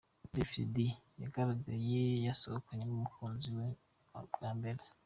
Davis D yagaragaye yasohokanye n’umukunzi we bwambere.